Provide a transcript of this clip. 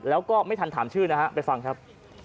แล้วก็ไม่ทันถามชื่อนะฮะไปฟังครับ